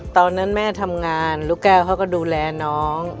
ตอนนั้นแม่ทำงานลูกแก้วเขาก็ดูแลน้อง